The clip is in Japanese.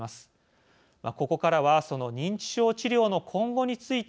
ここからはその認知症治療の今後について見ていきます。